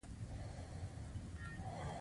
دې ډول ته په اقتصاد کې نسبي اضافي ارزښت وايي